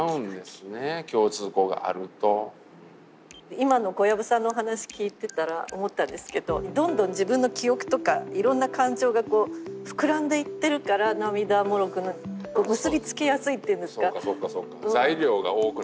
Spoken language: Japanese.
今の小籔さんのお話聞いてたら思ったんですけどどんどん自分の記憶とかいろんな感情がこう膨らんでいってるから涙もろくそうなんです。